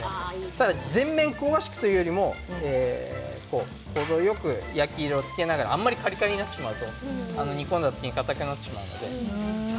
ただ全面、香ばしくというよりも程よく焼き色をつけながらあまりカリカリになってしまうと煮込んだ時にかたくなってしまうので。